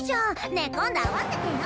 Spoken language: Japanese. ねえ今度会わせてよ！